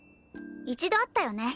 一度あったよね。